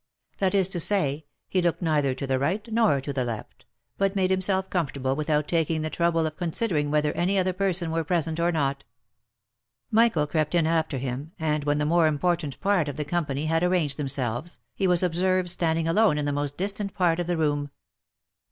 That is to say, he looked neither to the right nor to the left, but made himself comfortable without taking the trouble of con sidering whether any other person were present, or not. Michael crept in after him, and when the more important part of the company had arranged themselves, he was observed standing alone in the most distant part of the room.